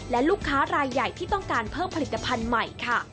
และลูกค้ารายใหญ่ที่ต้องการเพิ่มผลิตภัณฑ์ใหม่ค่ะ